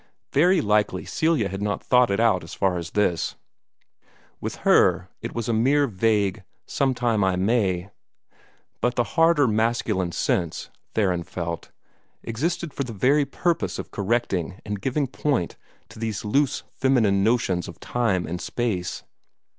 Very likely Celia had not thought it out as far as this. With her, it was a mere vague "sometime I may." But the harder masculine sense, Theron felt, existed for the very purpose of correcting and giving point to these loose feminine notions of time and space.